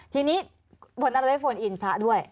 ทีนี้บทนั้นเราได้โฟนอินพระด้วย